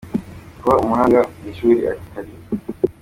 kuba umuhanga mu ishuri Ati Hari.